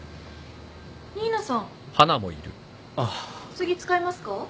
次使いますか？